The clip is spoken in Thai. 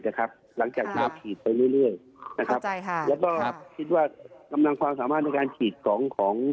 หลังจากที่เราฉีดไปเรื่อยนะครับใช่ค่ะแล้วก็คิดว่ากำลังความสามารถในการฉีดของของ